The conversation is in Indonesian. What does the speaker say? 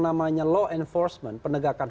namanya law enforcement penegakan